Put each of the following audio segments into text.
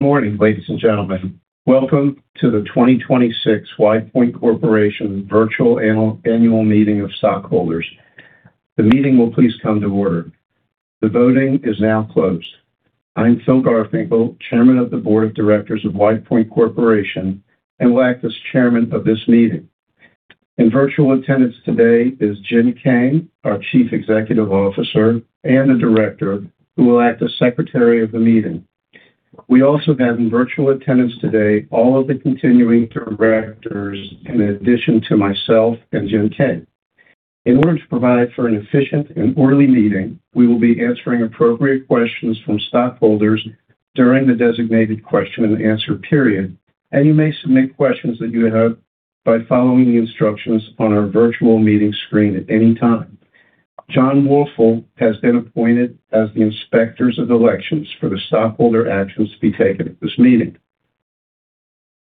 Good morning, ladies and gentlemen. Welcome to the 2026 WidePoint Corporation Virtual Annual Meeting of Stockholders. The meeting will please come to order. The voting is now closed. I'm Philip Garfinkle, Chairman of the Board of Directors of WidePoint Corporation and will act as chairman of this meeting. In virtual attendance today is Jin Kang, our Chief Executive Officer and a director, who will act as secretary of the meeting. We also have in virtual attendance today all of the continuing directors in addition to myself and Jin Kang. You may submit questions that you have by following the instructions on our virtual meeting screen at any time. John Woelfel has been appointed as the inspectors of elections for the stockholder actions to be taken at this meeting.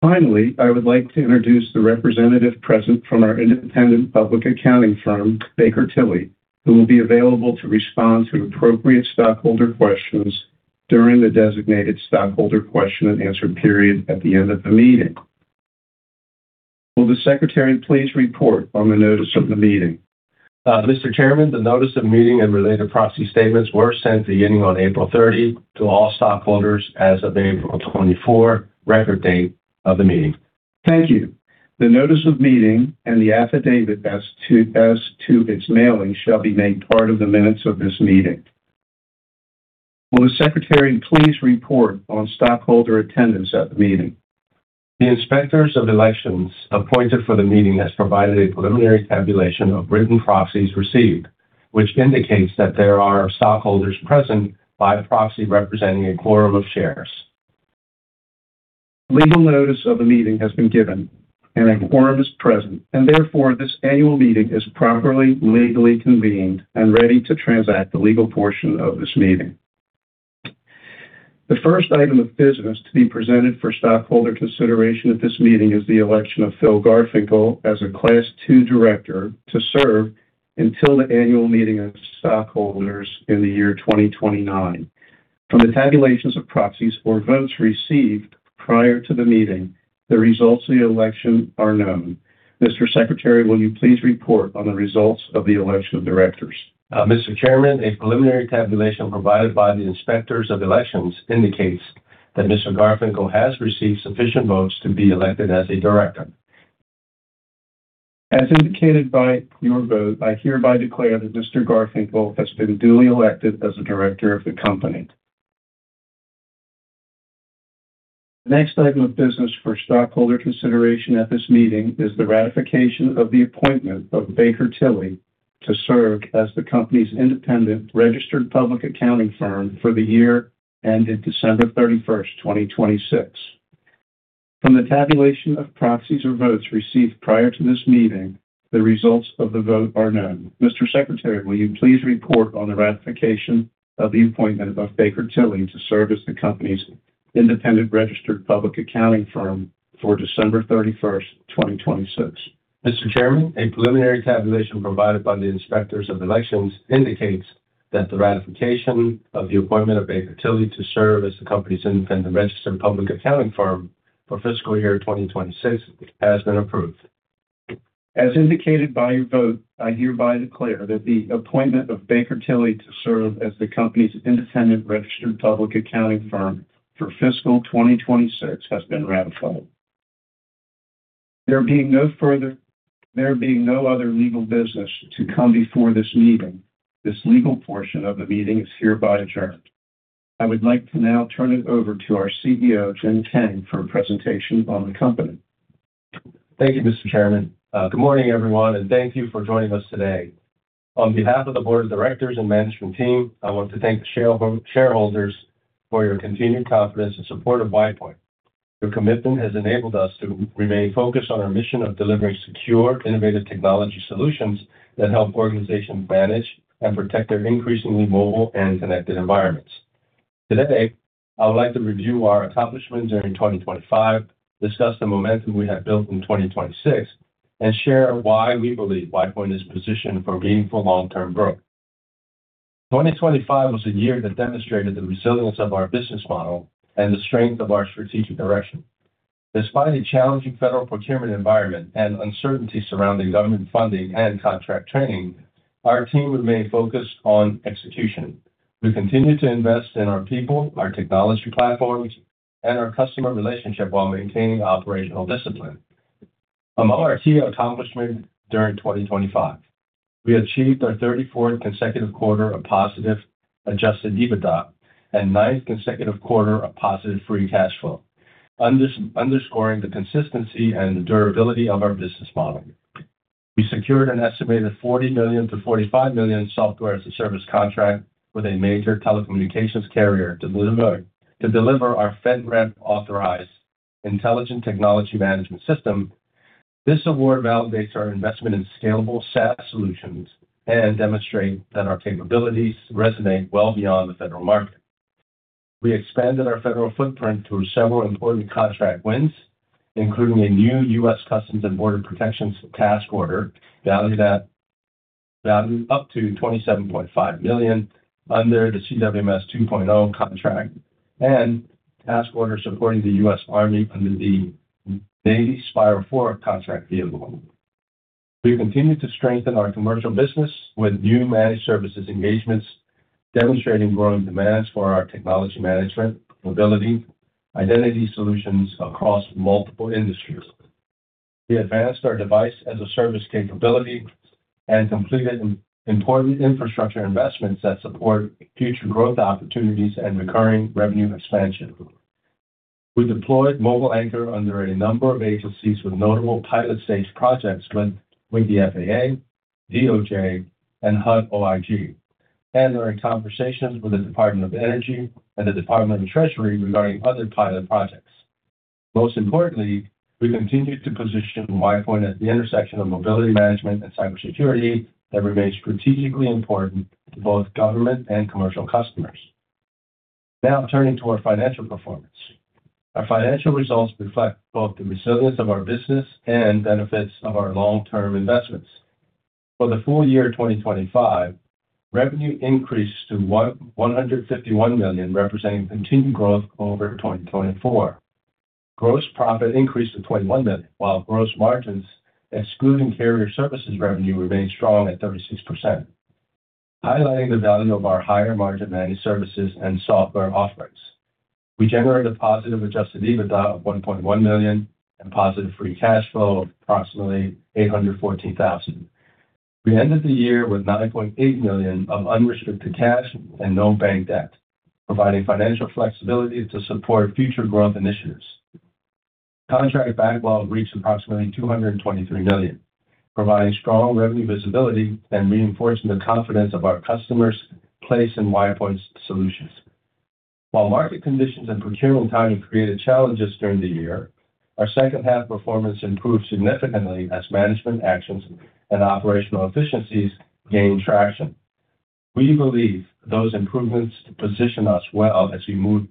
Finally, I would like to introduce the representative present from our independent public accounting firm, Baker Tilly, who will be available to respond to appropriate stockholder questions during the designated stockholder question and answer period at the end of the meeting. Will the secretary please report on the notice of the meeting? Mr. Chairman, the notice of meeting and related proxy statements were sent beginning on April 30 to all stockholders as of April 24, record date of the meeting. Thank you. The notice of meeting and the affidavit as to its mailing shall be made part of the minutes of this meeting. Will the secretary please report on stockholder attendance at the meeting? The Inspectors of Elections appointed for the meeting has provided a preliminary tabulation of written proxies received, which indicates that there are stockholders present by the proxy representing a quorum of shares. Legal notice of the meeting has been given and a quorum is present. Therefore, this annual meeting is properly legally convened and ready to transact the legal portion of this meeting. The first item of business to be presented for stockholder consideration at this meeting is the election of Philip Garfinkle as a class 2 director to serve until the annual meeting of stockholders in the year 2029. From the tabulations of proxies or votes received prior to the meeting, the results of the election are known. Mr. Secretary, will you please report on the results of the election of directors? Mr. Chairman, a preliminary tabulation provided by the Inspectors of Elections indicates that Mr. Garfinkle has received sufficient votes to be elected as a director. As indicated by your vote, I hereby declare that Mr. Garfinkle has been duly elected as a director of the company. The next item of business for stockholder consideration at this meeting is the ratification of the appointment of Baker Tilly to serve as the company's independent registered public accounting firm for the year ended December 31st, 2026. From the tabulation of proxies or votes received prior to this meeting, the results of the vote are known. Mr. Secretary, will you please report on the ratification of the appointment of Baker Tilly to serve as the company's independent registered public accounting firm for December 31st, 2026? Mr. Chairman, a preliminary tabulation provided by the Inspectors of Elections indicates that the ratification of the appointment of Baker Tilly to serve as the company's independent registered public accounting firm for fiscal year 2026 has been approved. As indicated by your vote, I hereby declare that the appointment of Baker Tilly to serve as the company's independent registered public accounting firm for fiscal 2026 has been ratified. There being no other legal business to come before this meeting, this legal portion of the meeting is hereby adjourned. I would like to now turn it over to our CEO, Jin Kang, for a presentation on the company. Thank you, Mr. Chairman. Good morning, everyone, and thank you for joining us today. On behalf of the board of directors and management team, I want to thank the shareholders for your continued confidence and support of WidePoint. Your commitment has enabled us to remain focused on our mission of delivering secure, innovative technology solutions that help organizations manage and protect their increasingly mobile and connected environments. Today, I would like to review our accomplishments during 2025, discuss the momentum we have built in 2026, and share why we believe WidePoint is positioned for meaningful long-term growth. 2025 was a year that demonstrated the resilience of our business model and the strength of our strategic direction. Despite a challenging federal procurement environment and uncertainty surrounding government funding and contract training, our team remained focused on execution. We continued to invest in our people, our technology platforms, and our customer relationship while maintaining operational discipline. Among our key accomplishments during 2025, we achieved our 34th consecutive quarter of positive adjusted EBITDA and ninth consecutive quarter of positive free cash flow, underscoring the consistency and the durability of our business model. We secured an estimated $40 million-$45 million Software as a Service contract with a major telecommunications carrier to deliver our FedRAMP-authorized Intelligent Technology Management System. This award validates our investment in scalable SaaS solutions and demonstrates that our capabilities resonate well beyond the federal market. We expanded our federal footprint through several important contract wins, including a new U.S. Customs and Border Protection task order valued at up to $27.5 million under the CWMS 2.0 contract and task orders supporting the U.S. Army under the Navy SPIRE4 contract vehicle. We continue to strengthen our commercial business with new managed services engagements, demonstrating growing demands for our technology management, mobility, identity solutions across multiple industries. We advanced our device as a service capability and completed important infrastructure investments that support future growth opportunities and recurring revenue expansion. We deployed MobileAnchor under a number of agencies with notable pilot stage projects with the FAA, DOJ, and HUD OIG, and are in conversations with the Department of Energy and the Department of the Treasury regarding other pilot projects. Turning to our financial performance. Our financial results reflect both the resilience of our business and benefits of our long-term investments. For the full year 2025, revenue increased to $151 million, representing continued growth over 2024. Gross profit increased to $21 million, while gross margins, excluding carrier services revenue, remained strong at 36%, highlighting the value of our higher margin managed services and software offerings. We generated positive adjusted EBITDA of $1.1 million and positive free cash flow of approximately $814,000. We ended the year with $9.8 million of unrestricted cash and no bank debt, providing financial flexibility to support future growth initiatives. Contract backlog reached approximately $223 million, providing strong revenue visibility and reinforcing the confidence of our customers place in WidePoint's solutions. While market conditions and procurement timing created challenges during the year, our second half performance improved significantly as management actions and operational efficiencies gained traction. We believe those improvements position us well as we move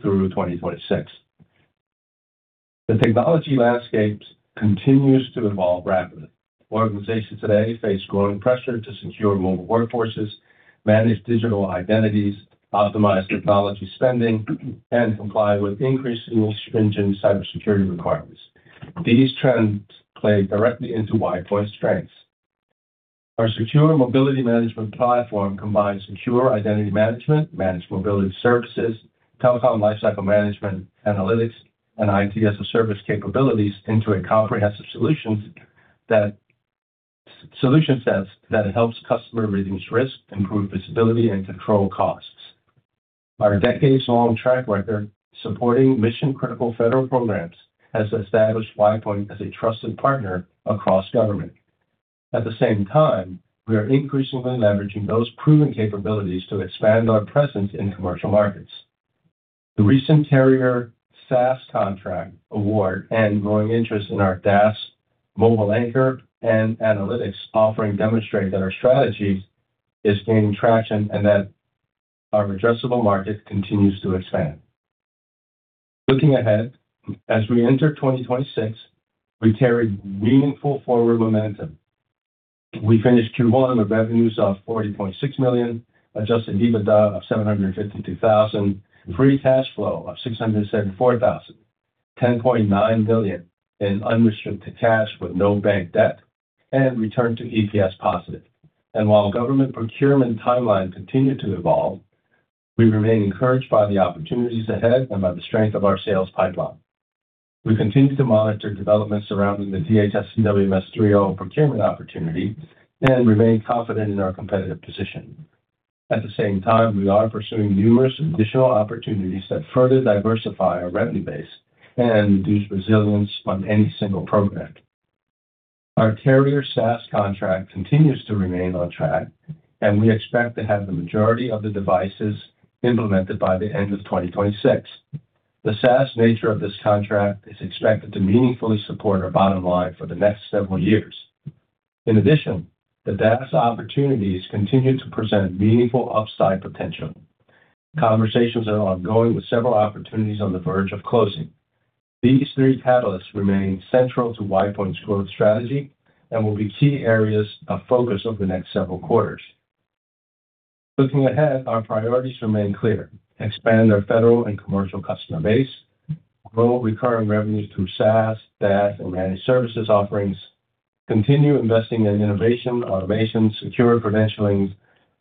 through 2026. The technology landscape continues to evolve rapidly. Organizations today face growing pressure to secure mobile workforces, manage digital identities, optimize technology spending, and comply with increasingly stringent cybersecurity requirements. These trends play directly into WidePoint's strengths. Our secure mobility management platform combines secure identity management, managed mobility services, telecom lifecycle management analytics, and IT as-a-service capabilities into a comprehensive solution set that helps customers reduce risk, improve visibility, and control costs. Our decades-long track record supporting mission-critical federal programs has established WidePoint as a trusted partner across government. At the same time, we are increasingly leveraging those proven capabilities to expand our presence in commercial markets. The recent Carrier SaaS contract award and growing interest in our DaaS, MobileAnchor, and analytics offering demonstrate that our strategy is gaining traction and that our addressable market continues to expand. Looking ahead, as we enter 2026, we carry meaningful forward momentum. We finished Q1 with revenues of $40.6 million, adjusted EBITDA of $752,000, free cash flow of $674,000, $10.9 million in unrestricted cash with no bank debt, and return to EPS positive. While government procurement timeline continued to evolve, we remain encouraged by the opportunities ahead and by the strength of our sales pipeline. We continue to monitor developments surrounding the DHS CWMS 3.0 procurement opportunity and remain confident in our competitive position. At the same time, we are pursuing numerous additional opportunities that further diversify our revenue base and reduce resilience on any single program. Our Carrier SaaS contract continues to remain on track, and we expect to have the majority of the devices implemented by the end of 2026. The SaaS nature of this contract is expected to meaningfully support our bottom line for the next several years. In addition, the DaaS opportunities continue to present meaningful upside potential. Conversations are ongoing with several opportunities on the verge of closing. These three catalysts remain central to WidePoint's growth strategy and will be key areas of focus over the next several quarters. Looking ahead, our priorities remain clear. Expand our federal and commercial customer base. Grow recurring revenues through SaaS, DaaS, and managed services offerings. Continue investing in innovation, automation, secure credentialing,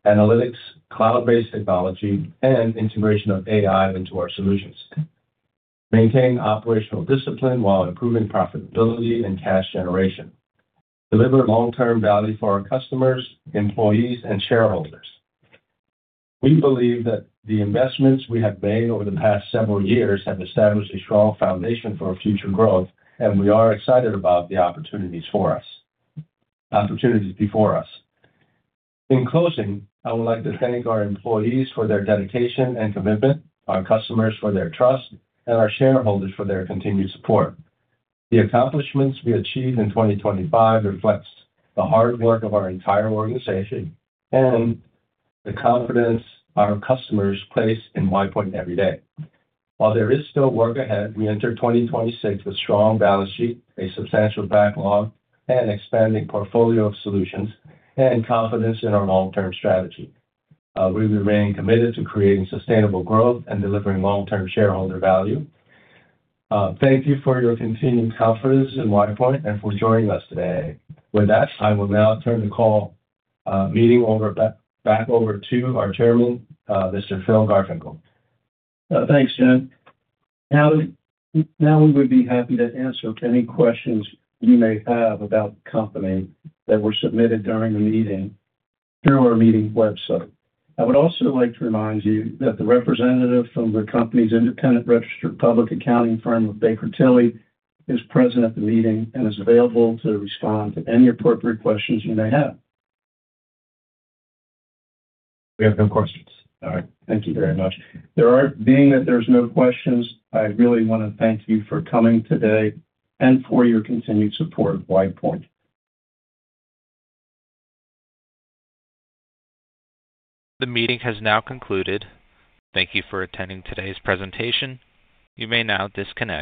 analytics, cloud-based technology, and integration of AI into our solutions. Maintain operational discipline while improving profitability and cash generation. Deliver long-term value for our customers, employees, and shareholders. We believe that the investments we have made over the past several years have established a strong foundation for our future growth, and we are excited about the opportunities before us. In closing, I would like to thank our employees for their dedication and commitment, our customers for their trust, and our shareholders for their continued support. The accomplishments we achieved in 2025 reflects the hard work of our entire organization and the confidence our customers place in WidePoint every day. While there is still work ahead, we enter 2026 with strong balance sheet, a substantial backlog, an expanding portfolio of solutions, and confidence in our long-term strategy. We remain committed to creating sustainable growth and delivering long-term shareholder value. Thank you for your continued confidence in WidePoint and for joining us today. With that, I will now turn the call meeting back over to our chairman, Mr. Phil Garfinkle. Thanks, Jin. We would be happy to answer any questions you may have about the company that were submitted during the meeting through our meeting website. I would also like to remind you that the representative from the company's independent registered public accounting firm of Baker Tilly is present at the meeting and is available to respond to any appropriate questions you may have. We have no questions. All right. Thank you very much. Being that there is no questions, I really want to thank you for coming today and for your continued support of WidePoint. The meeting has now concluded. Thank you for attending today's presentation. You may now disconnect.